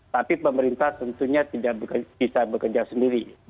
tapi pemerintah tentunya tidak bisa bekerja sendiri